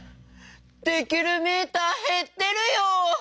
できるメーターへってるよ！